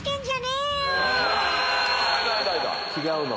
違うの？